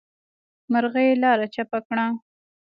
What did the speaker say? مرغۍ لاره چپه کړه.